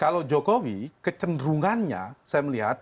kalau jokowi kecenderungannya saya melihat